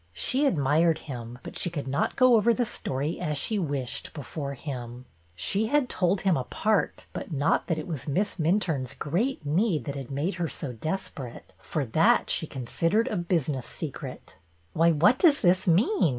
She admired him, but she could not go over the story as she wished before him. She had told him a part, but not that it was Miss Minturne's great need that had made her so THE UNKNOWN BIDDER 295 desperate, for that she considered a business secret. Why, what does this mean?